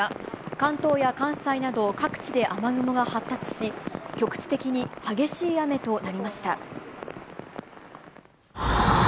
関東や関西など、各地で雨雲が発達し、局地的に激しい雨となりました。